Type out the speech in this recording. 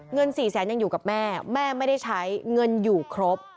เงิน๔แสนยังอยู่กับแม่แม่ไม่ได้ใช้เงินอยู่ครบ